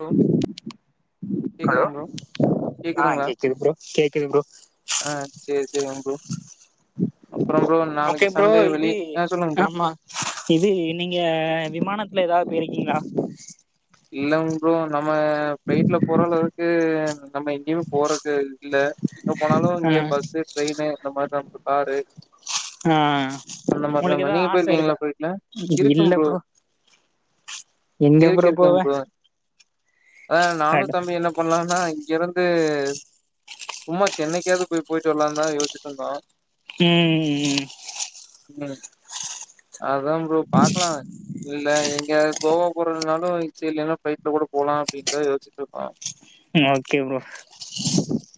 Hello hello ஆ கேக்குதுங்களா கேக்குது ப்ரோ கேக்குது ப்ரோ ஆ சேரி சேரிங்க ப்ரோ அப்புறம் ப்ரோ நாளைக்கு ஓக்கே ப்ரோ சண்டே வெளிய இது ஆ சொல்லுங்க ப்ரோ ஆமா இது நீங்க விமானத்துல எதாவது போயிருக்கீங்ளா இல்லங் ப்ரோ நம்ம ஃப்லைட்ல போற அளவுக்கு நம்ம எங்கையுமே போறது இல்ல இப்ப போனாலு இங்க ஆ பஸ்சு ட்ரெயினு இந்த மாறி நம்ப காரு ஆ அந்த மாறிதா உங்களுக்கு ப்ரோ ஏதாவது நீங்க ஆச போயிருக்கீங்ளா இருக்கா ஃப்ளைட்ல இருக்க ப்ரோ எங்க ப்ரோ போவ அ நானு அட தம்பியு என்ன பண்ணோன்னா இருந்து சும்மா சென்னைக்காது போய் போயிட்டு வரலான்னு தா யோசிச்ட்டு இருந்தோ ம் ம் ம் ம் அத்தா ப்ரோ பாக்கலா ம் இல்ல எங்கயாது கோவா போறதுனாலு இச்ச இல்லன்னா ஃப்ளைட்ல கூட போலா அப்டின்னு தா யோச்சிட்டு இருக்கோ ம் ஓக்கே ப்ரோ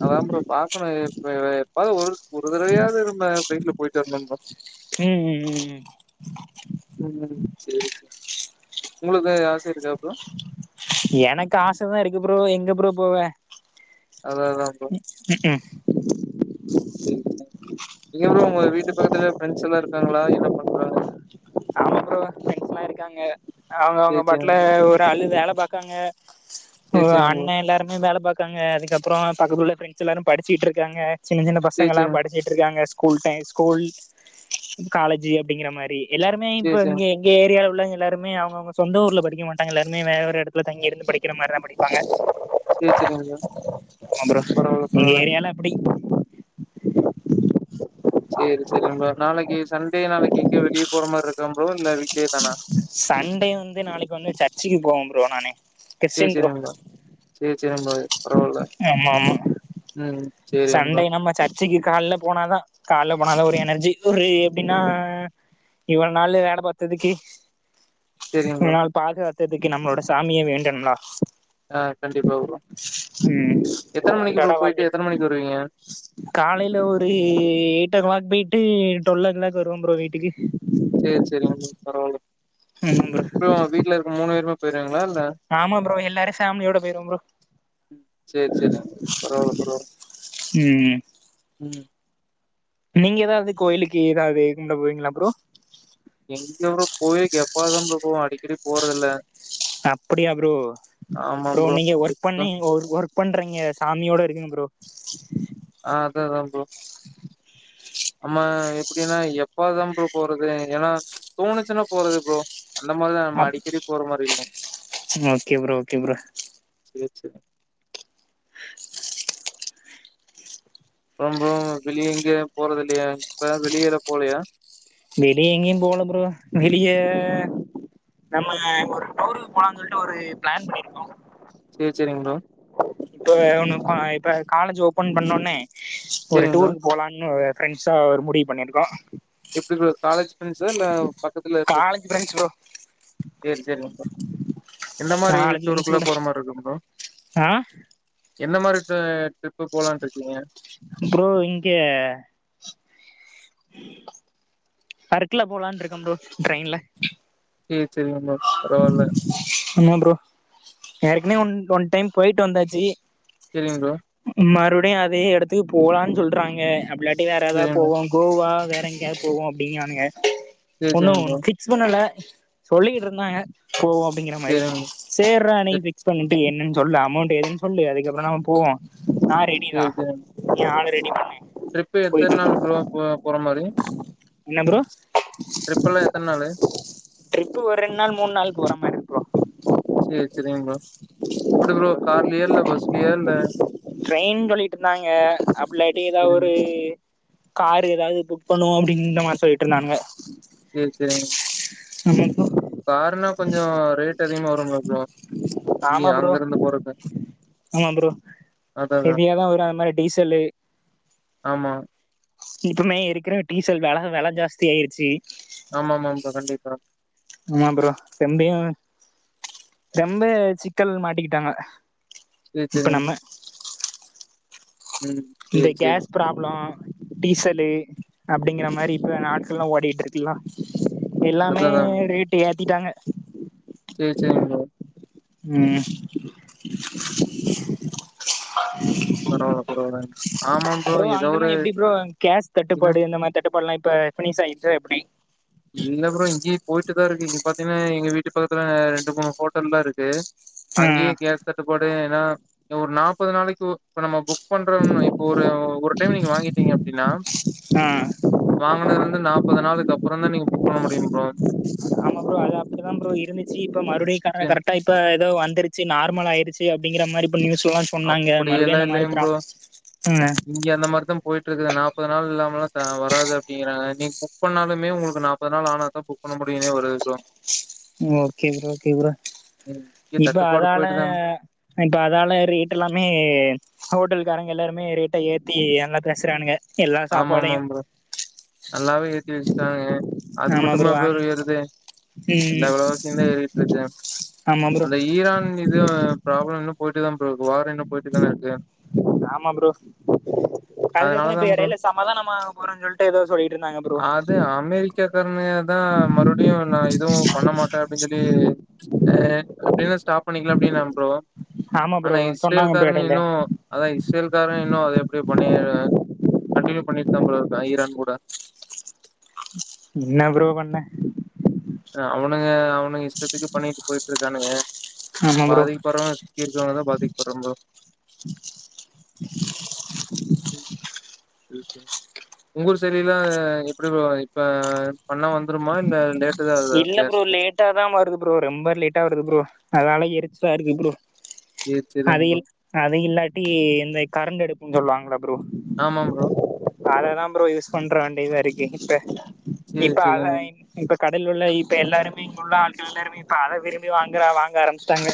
அத்தா ஃப்ரோ பாக்கணு எப் எப்பாவது ஒரு ஒரு தடவையாவது நம்ம ஃப்ளைட்ல போயிட்டு வரணு ப்ரோ ம் ம் ம் ம் ம் சேரி சேரி உங்களுக்கு ஆசை இருக்கா ப்ரோ எனக்கு ஆசதா இருக்கு ப்ரோ எங்க ப்ரோ போவ அத்தா அத்தா ப்ரோ ம் சேரி சேரி இங்க ப்ரோ உங்க வீட்டு பக்கத்துல ஃப்ரெண்ட்ஸ் எல்லா இருக்காங்ளா என்ன பண்றாங்க ஆமா ப்ரோ ஃப்ரெண்ட்ஸ் எல்லா இருக்காங்க அவுங்க சரி அவுங்க சரிங்க. பாட்ல ஒரு ஆளு வேல பாக்காங்க ஓ சரி சரிங்க ப்ரோ. அண்ணே எல்லாருமே வேல பாக் க்காங்க அதுக்கப்றோ பக்கத்தூர்லயே ஃப்ரண்ட்ஸ் எல்லாரு படிச்சியிட்ருக்காங்க சின்ன சின்ன சரி பசங்கல்லா சரிங்க. படிச் ச்சிட்ருக்காங்க ஸ்கூல் டை ஸ்கூல் காலேஜ்ஜி அப்டிங்குற மாரி எல்லாருமே சரி இப்போ சரிங்க. இங்க ஏரியாவ் புள்ளைங்க எல்லாருமே அவுங்க அவுங்க சொந்த ஊர்ல படிக்க மாட்டாங்க எல்லாருமே வேற ஒரு எடத்துல தங்கியிருந்து படிக்கிற மாரிதா படிப்பாங்க சேர் செரிங்க ஆமா ப்ரோ பரவால்ல எங்க பரவால்ல ஏரியால அப்டி சேரி சேரிங் ப்ரோ நாளக்கி சண்டே நாளக்கி எங்கியு வெளிய போற மாரி இருக்கா ப்ரோ இல்ல வீ்ட்லயே தானா சண்டே வந்து நாளக்கி வந்து சர்ச்சுக்கு போவம் ப்ரோ நானு க்றிஸ்டின் ப்ரோ சேர் சேரி [unintelligible] பரவால்ல ம் சரிங்க ப்ரோ. சண்டேனா நம்ம சர் ச்சிக்கு கால்ல போனாதா கால்ல போனாதா ஒரு எனர்ஜி ஒரு எப்டின்னா இவள் நாளு வேல பாத்ததுக்கு சரிங்க ப்ரோ. இதனால் பாக்கற் அத்ததுக்கு நம்மளோட சாமிய வேண்டனும்லா ஆ கண்டிப்பா வருவோ எத்தன மணிக்கி ப்ரோ போயிட்டு எத்தன மணிக்கு வருவீங்க காலைல ஒரு எய்ட் ஓ க்ளாக் போயிட்டு டுவெல் ஓ க்ளாக் வருவம் ப்ரோ வீட்டுக்கு சேர் சேரிங்க பரவால்ல ம் ப்ரோ போ வீட்ல இருக்ற மூணு பேருமே போயிருவீங்களா இல்ல ஆமா ப்ரோ எல்லாரு ஃபேமிலியோட போய்ருவோ ப்ரோ சேர் சேர்ங் ப்ரோ பரவால்ல பரவால்ல ம் ம் நீங்க எதாவ்து கோயிலுக்கு எதாவ்து கும்ட போவீங்களா ப்ரோ எங்க ப்ரோ கோயில்க்கு எப்பாவ்து தாம் ப்ரோ போவ அடிக்கடி போறதில்ல அப்டியா ப்ரோ ப்ரோ நீங்க ஒர்க் பண்ணி இங் ஒ ஒர்க் பண்றீங்க சாமியோட இருக்கனு ப்ரோ ஆ அதா அதா ப்ரோ நம்ம எப்டின்னா எப்பாவ்துதாம் ப்ரோ போறது ஏன்னா தோணுச்சுன்னா போறது ப்ரோ அந்த மாரிதா நம்ம அப் அடிக்கடி போற மாரி இல்லிங் ஓகே ப்ரோ ஓகே ப்ரோ சேர் சேரி ரொம்போ வெளிய எங்கியு போறதில்லையா இப்ப வெளியலா போலையா வெளிய எங்கியும் போல ப்ரோ வெளிய நம்ம ஒரு டூருக்கு போலான் சொல்ட்டு ஒரு ப்ளான் பண்ணிர்க்கோ சேர் சேரிங் ப்ரோ இப்ப ஒன்னு ப இப்ப காலேஜு ஓப்பன் பண்ண ஒன்னே ஒரு சேரிங்க ப்ரோ டூருக் போலான்னு ஃப்ரெண்ட்ஸா ஒரு முடிவு பண்ணிர்க்கோ எப்டி ப்ரோ காலேஜ் ஃப்ரெண்ட்ஸா இல்ல பக்கத்துல இருக்க காலேஜ் ஃப்ரெண்ட்ஸ் ப்ரோ சேரி சேரி எந்த மாரி காலேஜ் ஃப்ரெண்ட்ஸ் டூருக்குலா கூட போற மார் இருக்கும் ப்ரோ ஆ என்ன மாரி டூ ட்ரிப்பு போலான்ட்ருக்கீங்க ப்ரோ இங்கெ சர்க்குல போலான் இருக்கம் ப்ரோ ட்ரெயின்ல சே சேரிங்க ப்ரோ பரவால்ல ஆமா ப்ரோ ஏற்கனவே ஒன் ஒன் டைம் போயிட்டு வந்தாச்சி செரிங்க ப்ரோ மறுப்டியு அதே எடத்துக்கு போலான் சொல்றாங்க அப்டி இல்லாட்டி வேற ப்ரோ எதா சேரிங்க ப்ரோ போவோ கோவா வேற எங்கயாது போவோ அப்டிங்றானுங்க சேரி ஒன்னு சேரிங்க ப்ரோ ஒன்னு குயிக் க்ஸ் பண்ணல சொல்லிக்கிட்ருந்தாங்க போவோ அப்டிங்கிற மாரி சேரிங்க சேறா நீ ப்ரோ பிக்ஸ் பண்ணிட்டு என்னன்னு சொல்லு அமௌண்ட் எதுன்னு சொல்லு அதுக்கப்றோ நம்ம போவோ ந ர ஓகே சேரி வா சேரிங்க நீ ஆள் ரெடி பண்ணு ட்ரிப்பு எத்தன போயிட்டு நாள் வந்துருவோ ப்ரோ போ போற மாரி என்ன ப்ரோ ட்ரிப்பல்லா எத்தன நாளு ட்ரிப்பு ஒரு ரெண்டு நாள் மூணு நாள் போற மாரி இருக்கோ சேரி சேரிங்க ப்ரோ இப்டி ப்ரோ கார்லயா இல்ல பஸ்லயா இல்ல ட்ரெயின் சொல்லிட்டு இருந்தாங்க அப்டிலட்டி ஏதாவது சேரிங்க ஒரு காரு ஏதாவது புக் பண்ணுவோ அப்டிங்கிற மாரி சொல்லிட்டு இருந்தாங்க சேரி சேரி ஆமா ப்ரோ கருனா கொஞ்சோ ரேட் அதிகமா வரும்ல ப்ரோ எப்டி ஆமா ப்ரோ அங்க இருந்து போறது ஆமா ப்ரோ அதா அதா எஹவியாதா வரு அந்த மாதிரி டீசல்லு ஆமா இப்பவுமே இருக்கிற டீசல் வெல வெல ஜாஸ்தியிருச்சு ஆமா ஆமா ப்ரோ கண்டிப்பா ஆமா ப்ரோ செம்மியா ரொம்ப சிக்கல் மாட்டிக்கிட்டாங்க சேரி சேரி இப்ப நம்ம ம் இந்த சேரி சேரி கேஸ் ப்ராப்ளோ டீசலு அப்டிங்கிற மாரி இப்போ நாட்கள்லா ஓடிட்டு இருக் எல்லா அதா எல்லாமே அதா ப்ரோ ரேட்டு ஏத்திட்டாங்க சேரி சேரிங்க ப்ரோ ம் பரவால்ல பரவால்லங்க ஆமா ப்ரோ எதோ அங்கல்லா ஒரு எப்டி ப்ரோ கேஸ் என்ன தட்டுப்பாடு இந்த மாரி தட்டுப்படலா இப்ப பினிஸ் ஆயிருச்சா எப்டி இல்ல ப்ரோ இங்கயு போயிட்டுதா இருக்கு இங்க பாத்தீங்கன்னா எங்க வீட்டு பக்கத்துல ரெண்டு மூணு ஹோட்டல் தா இருக்கு ஆ அங்கேயே கேஸ் தட்டு பாடு ஏனா ஒரு நாப்பது நாளைக்கு இ நம்ம புக் பண்ற இப்போ ஒரு ஒரு டைம் நீங்க வாங்கிட்டீங்க அப்டின்னா ஆ வாங்கனதுல இருந்து நாற்பது நாளைளுக்கு அப்றோ தா நீங்க புக் பண்ண முடியு ப்ரோ ஆமா ப்ரோ அது அப்டிதா ப்ரோ இருந்துச்சு இப்ப மறுபடியு கார சேம் கரெக்டா இப்ப ஏதோ வந்துருச்சு நார்மல் ஆயிடுச்சு அப்டிங்கிற மாரி நியூஸ் எல்லா சொன்னாங்க மறுபடியு அப்படியெல்லாம் அந்த மாரி இல்லைங்க தா ப்ரோ. ம் இங்க அந்த மாதிரிதா போயிட்டு இருக்குது நாற்பது நாள் இல்லாமல்லா வராது அப்டிங்கறாங்க நீங்க புக் பண்ணாலுமே உங்களுக்கு நாப் முப்பது நாள் ஆனா தா புக் பண்ண முடியுனு வருது bro okay bro okay bro இங்க இப்ப தட்டுப்பாடு அதால போயிட்டு தான் இப்ப அதால ரேட் எல்லாமே ஹோட்டலுக்காரங்க எல்லாருமே ரேட்டா ஏத்தி எல்லா பேசுறானுங்க எல்லா ஆமா ஆமா சாப்பாடையு ப்ரோ நல்லாவே ஏத்தி வச்சுட்டாங்க அது ஆமா மட்டுமா அ ப்ரோ ஏறுது எல்லா ம் வெளவாசியுந்தா ஏறிட்டு இருக்கு ஆமா ப்ரோ அந்த ஈரான் இது ப்ராப்ளம் இன்னு போயிட்டு தா ப வாரு இன்னு போயிட்டு தான இருக்கு அதுக்கப்றோ அதனாலதா இப்ப ப்ரோ இடையில சமாதான போறோன்னு சொல்லிட்டு ஏதோ சொல்லிட்டு இருந்தாங்க ப்ரோ அது அமெரிக்காக்காரனே தா மறுபடியு நா எதுவு பண்ண மாட்டே அப்டின்னு சொல்லி ஆ எப்டின்னா ஸ்டாப் பண்ணிக்கலா அப்டின்னு நாங்க ப்ரோ ஆமா ஆனா ப்ரோ இஸ்ரேல் சொன்னாங்க ப்ரோ காரனுங்க எடையில இன்னு அதா இஸ்ரேல் காரனுங்க இன்னு அது எப்டி பண்ணி வைக்கிறா கண்டினியூ பண்ணிட் தா ப்ரோ இருக்க ஈரான் கூட என்ன ப்ரோ பண்ண அவனுங்க அவனுங்க இஷ்டத்துக்கு பண்ணிட்டு போயிட்ருக்கானுங்க ஆமா ப்ரோ பாதிக்கப்பறவங்க சுத்தி இருக்கறவங்க தா பாதிக்பட்றாங்க ஓகே உங்க ஊர் செரியிலா எப்டி ப்ரோ இப்ப பண்ணா வந்துருமா இல்ல லேட் ட்டு தா ஆவுதா இல்ல ப்ரோ கேஸ்க்க லேட்டா தா வருது ப்ரோ ரொம்ப லேட்டா வருது ப்ரோ அதனால எரிச்சலா இருக்கு ப்ரோ சேரி அத சேரிங் ப்ரோ அது இல்லாட்டி இந்த கரண்ட் அடுப்புன் சொல்வாங்ள ப்ரோ ஆமா ப்ரோ அததா ப்ரோ யூஸ் பண்ற வேண்டி தா இருக்கு இப்ப சேரி இப்ப அவ சேரிங் இப்ப கடலூர்ல இப்ப எல்லாருமே இங்க உள்ள ஆட்கள் எல்லாருமே இப்ப அத விரும்பி வாங்குறா வாங்க ஆரம்பிஷ்டாங்க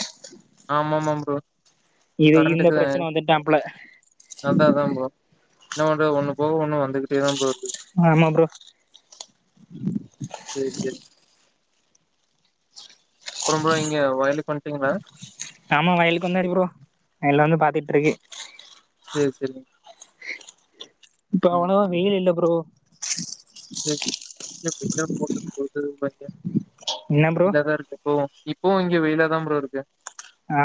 ஆமாமாம் ப்ரோ இது இந்த கரண்ட்டுக்கு பிரச்சன வந்துட்டான்ப்புல அதா அதா ப்ரோ என்ன பண்றது ஒண்ணு போக ஒண்ணு வந்துகிட்டே தா ப்ரோ இருக்கு ஆமா ப்ரோ சேரி சேரி அப்பறம் ப்ரோ இங்க வயலுக்கு வந்ட்டீங்களா ஆமா வயலுக்கு வந்தாரு ப்ரோ எல்லா வந்து பாத்துட்ருக்கு சேரி செரிங் இப்ப அவ்வனா வெயில் இல்ல ப்ரோ சேர் செரி [unintelligible] என்ன ப்ரோ வெயிலா தா இருக்கும் ஓ ஓ இப்போவு இங்க வெயிலா தா ப்ரோ இருக்கு ஆ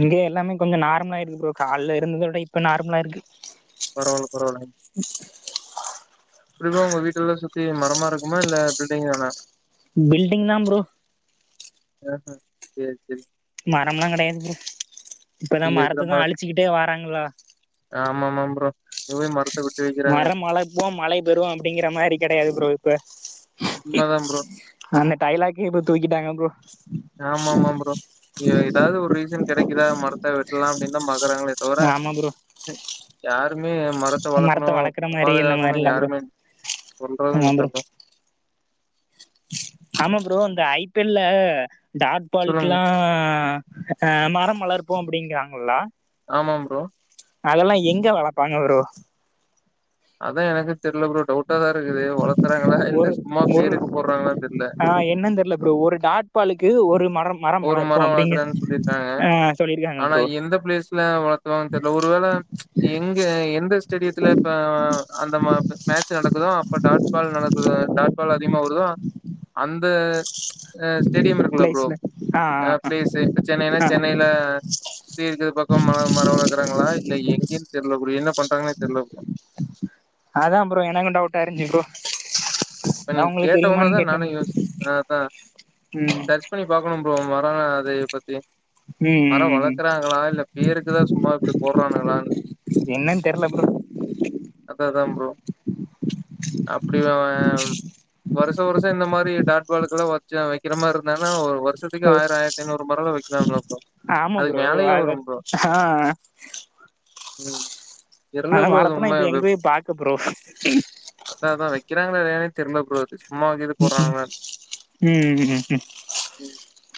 இங்க எல்லாமே கொஞ்சம் நார்மலாயிருக்கு ப்ரோ கால்ல இருந்தத விட இப்ப நார்மலா இருக்கு பரவால்ல பரவால்லங்க [inaudible] இப்டி தா உங்க வீட்டெல்லா சுத்தி மரமா இருக்குமா இல்ல பில்டிங் தானா பில்டிங் தா ப்ரோ அ ஆ சேரி செரி மரம்லா கெடயாது ப்ரோ இப்பதா மரத்த தா அழிச்சுக்கிட்டே வாராங்ள ஆமாமாம் ப்ரோ எங்க மரத்த விட்டு வைக்கிறாங்க போம் மழை பெறுவோம் அப்டிங்கிற மாரி கெடயாது ப்ரோ இப்ப உண்ம தா ப்ரோ அந்த டைலாக்கே இப்ப தூக்கிட்டாங்க ப்ரோ ஆமா ஆமா ப்ரோ எ எதாவ்து ஒரு ரீசன் கெடைக்குதா மரத்த வெட் ட்லாம் அப்டின் தா பாக்குறாங்களே தவர ஆமா ப்ரோ யாருமே மரத்த வளக்கணு வளர்க்குற மாரி இந்த பாதுகாக்கணும் மாரிலா ப்ரோ யாருமே சொல்றதும் ஆமா ப்ரோ இல்லங்க ஆமா ப்ரோ இந்த ஐ பி எல்ல டாட் சொல்லுங்க பாலுக்லா அ மரம் வளர்ப்போம் அப்டிங்கிறாங்கள ஆமாம் ப்ரோ அதெல்லா எங்க வளப்பாங்க ப்ரோ அதா எனக்கு தெர்ல ப்ரோ டவுட்டா தா இருக்குது வளக்குறாங்களா இல்ல சும்மா பேருக்கு போட்றாங்களான் தெர்ல அ என்னன் தெர்ல ப்ரோ ஒரு டாட்பாலுக்கு ஒரு மரம் மரம் ஒரு வளர்ப்போ மரோ அப்டின்னு வளக்குறேன் சொல்லிருக்காங்க ஆ சொல்லிருக்காங்க ஆனா ப்ரோ எந்த பிளேஸ்ல வளத்துவாங்கன்னு தெரியல ஒரு வேளை எங்க எந்த ஸ்டேடியத்துல இப்ப அந்த மா மேட்ச் நடக்குதும் அப்ப டாட்பால் நடக்குத டாட் பால் அதிகமா வருதும் அந்த அ ஸ்டேடியம் இருக்குல்ல ஃப்ரோ பிளேஸ்ல ஆ அ ஆ பிளேஸ்சு இப்ப சென்னைன்னா ஆ சென்னையில சுத்தி இருக்குற பக்கம் மர வளக்குறாங்களா இல்ல எங்கனு தெரில ஃப்ரோ என்ன பண்றாங்கன்னே தெரல ஃப்ரோ அதான் ஃப்ரோ எனக்கும் டவுட்டா இருந்துச்சு ஃப்ரோ இப்ப நீங்க கேட்ட உன தா நானு யோச அதா ம் சரி பண்ணி பாக்கணு ப்ரோ வரான அத பத்தி மரம் ம் ம் வளக்குறாங்களா இல்ல பேருக்குதா சும்மா இப்டி போடுறாங்களா இல்ல என்ன தெர்ல ஃப்ரோ அத அதா ஃப்ரோ அப்டி வரும் வருஷ இந்த மாறி டாட் பாலுக்கல்லா வச்ச வைக்கிற மாறி இருந்தானா வருசத்துக்கு ஆயிர ஆயிரத்திநூறு ‌மரலா வைக்கலாம்னு அப்புற ஆமா ப்ரோ அது வெச் ம் தெர்ல அத ப்ரோ அது மரத்தல்ல உண்ம இப்ப எங்க போய் பாக்க ப்ரோ அதா அதா வைக்கிறாங்களா இல்லையானு தெர்ல ப்ரோ சும்மா கீது ம் போட்றானுங்களா ம்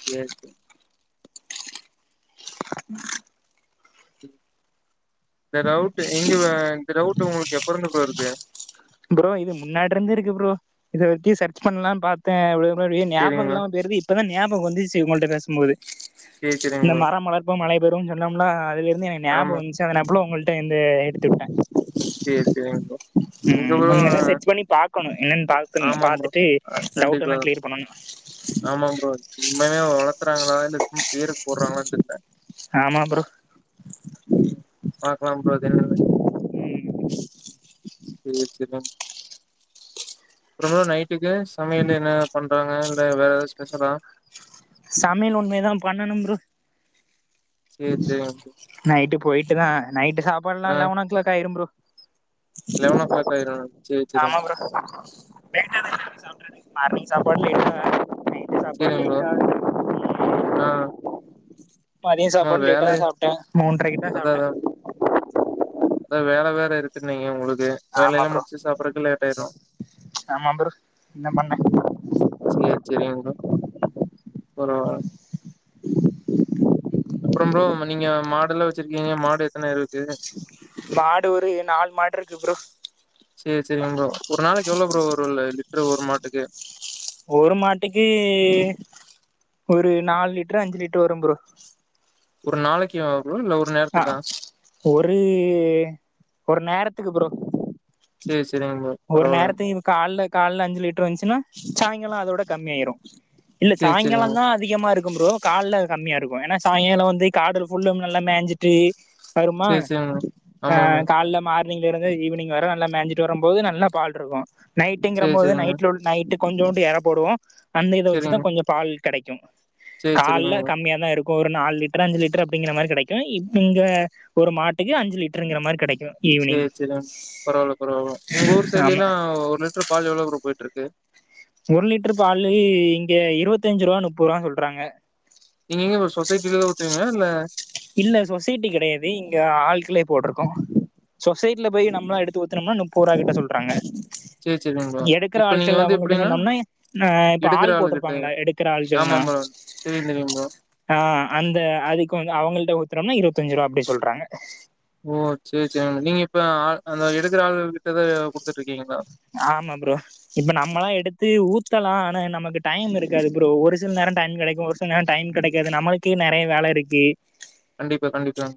சரி சரி இந்த ரவுட் எங்க இந்த ரவுட் உங்களுக்கு எப்பருந்து ப்ரோ‌இருக்கு ப்ரோ இது முன்னாடி இருந்தே இருக்கு ப்ரோ இத பத்தி சர்ச் பண்ணலா பாத்த சரிங்க ஞாபகம் போயிருது இப்பதா ஞாபகம் வந்து உங்கள்கிட்ட பேசும்போது ப்ரோ சரி சரிங்க இந்த ப்ரோ மரம் வளர்ப்போ மழை பெறும் சொன்னோம்னா அதுலருந்து எனக்கு ஞாபம் ஆமா வந்துச் அதனப்புல உங்கள்ட வந்து எடுத்துக்கிட்டே சரி சரிங் ப்ரோ எங்க ம் ப்ரோ இனிமே தா செர்ச் பண்ணி பாக்கணு என்னன்னு பாக்கணு ஆமா ப்ரோ பாத்துட்டு கண்டிப்பா டவுட்ல்லா கிளியர் பண்ணணு ஆமா ஃப்ரோ உண்மையா வளத்துறாங்களா இல்ல சும்மா பேருக்கு போடுறாங்களா ஆமா ப்ரோ பாக்கலாம் ப்ரோ அது‌ என்னனு ம் சரி அப்புற நைட்டுக்கு சமையல் என்ன பண்றாங்க இல்ல வேற ஏதாவது ஸ்பெஷ்லா சமையல்இனிமேதா பண்ணனு ப்ரோ சரி சரி நைட்டு போயிட்டு தா நைட்டு சாப்பாடுலா ஆ லெவன் ஓ கிளாக் ஆயிரு ஃப்ரோ லெவன் ஓ கிளாக் ஆயிரும் சரி ஆமா சரிங்க ப்ரோ தெரிஞ்சது மார்னிங் சாப்பாடுல சாப்பாடு சரிங்க ப்ரோ இல்லனா ஆ [unintelligible] மதிய ஆமா சாப்பாடு லேட்டா வேலை த சாப்டே மூன்றரைக்கு தா சாப்பிட்டே அத வேல வேற இருக்குன்ன நீங்க உங்களுக்கு ஆமா வேலையெல்லா ப்ரோ முடிச்சு சாப்பிடுறக்கு லேட் ஆயிரு ஆமா ப்ரோ என்ன பண்ண சரி சரிங்க பரவா அப்புற ப்ரோ நீங்க மாடுல்லா வச்சிருக்கீங்க மாடு எத்தன இருக்கு மாடு ஒரு நாலு மாடு இருக்கு ப்ரோ சரி சரிங்க ப்ரோ ஒரு நாளைக்கு எவ்ளோ ப்ரோ ஒரு லிட்ரு ஒரு மாட்டுக்கு ஒரு மாட்டுக்கு ஒரு நாலு லிட்டுரு அஞ்சு லிட்ரு வரும் பரோ ஒரு நாளைக்கு அவ்ளோ இல்ல ஒரு நேரத்துக் பொருள் ஒரு நேரத்துக்கு ஃப்ரோ சேரி சேரிங்க ப்ரோ ஒரு பரவாயில்லைங்க நேரத்துக்கு காலைல காலைல அஞ்சு லிட்டர் வந்துச்சுன்னா சாய்ங்காலோ அதோட கம்மியாயிடு இல்ல சேரி சேரிங்க சாய்ங்காலோந் தா அதிகமாருக்கு ஃப்ரோ காலைல கம்மியாருக்கு ஏன்னா சாய்ங்காலோ வந்து காடுல்ல புல்லா நல்லா மேஞ்சிட்டு வருமா சேரி சேரிங்க ஆ ஆமா ஆமா காலைல மா ர்னிங் இருந்து ஈவினிங் வரு நல்ல மேஞ்சிட்டு வரும்போது நல்லா பால்ருக்கு நைட்டுன்ற சேரி போது சேரிங்க நைட் உள்ள நைட்டு கொஞ்சோண்டு இற போடுவோ அந்த இத வச்சுதா சேரிங்க கொஞ்சோ பால் கெடைக்கு சேரி சேரிங்க காலைல ப்ரோ கம்மியா தா இருக்கு ஒரு நாலு லிட்டர் அஞ்சு லிட்டர் அப்டிங்கிற மாரி கெடைக்கு இங்க ஒரு மாட்டுக்கு அஞ்சு லிட்டருங்கிற மாரி கிடைக்கு சேரி சேரிடா பரவால்ல பரவால்ல உங்க ஊர் ஆமா சைடுலேல்லா ஒரு லிட்டுரு பால் எவ்ளவு போய்ட்டுருக்கு ஒரு லிட்டர் பாலு இங்க இருபத்தஞ்சு ரூபா முப்பது ரூவான்னு சொல்றாங்க நீங்க எங்க சொசட்டிலதா ஊத்துவீங்களா இல்ல இல்ல சொசைட்டி கிடையாது இங்க ஆட்கள்ளே போட்ருக்கோ சொசைட்டில போய நம்மளா எடுத்து ஊத்தோம்னா முப்பது ரூவா கிட்ட சொல்றாங்க சேரி சேரிங்க ப்ரோ எடுக்குற இப்ப நீங்க ஆள்கள் வந்து அவுங்கள்ட்ட எப்டின்னா சொன்னோம்னா ஆ இப்ப எடுக்குற ஆள் ஆளுகிட்ட போட்ருப்பாங்களா எடுக் ஆமா ஆமா ப்ரோ தெரியு தெரியு ப்ரோ ஆ அந்த அதுக்கு வந்து அவங்கள்ட ஊத்துறம்னா இருபத்தஞ்சு ரூபா அப்டி சொல்றாங்க ஓ சேரி சேரி நீங்க இப்ப ஆள் அந்த எடுக்கிற ஆள்கள் கிட்டதா குடுத்துட்டுருக்கீங்களா ஆமா ப்ரோ இப்ப நம்மல்லா எடுத்து ஊத்தலா ஆனா நமக்கு டைம் இருக்காது ப்ரோ ஒரு சில நேரம் டைம் கிடைக்கு ஒரு டைம் கிடைக்காது நம்மளுக்கே நெறைய வேலருக்கு கண்டிப்பா கண்டிப்பா